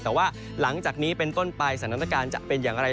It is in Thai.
แต่ว่าหลังจากนี้เป็นต้นไปสถานการณ์จะเป็นอย่างไร